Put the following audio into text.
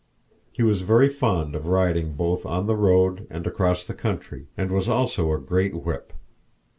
He was very fond of riding both on the road and across the country, and was also a great whip.